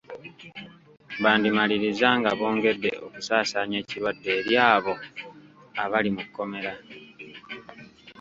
Bandimaliriza nga bongedde okusaasaanya ekirwadde eri abo abali mu kkomera.